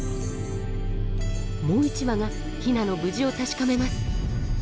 もう１羽がヒナの無事を確かめます。